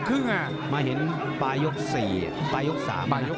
อืม